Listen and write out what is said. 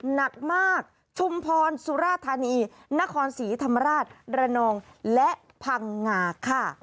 หนักมากชุมพรสุราธานีนครศรีธรรมราชระนองและพังงาค่ะ